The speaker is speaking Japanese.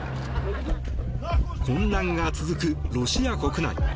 混乱が続くロシア国内。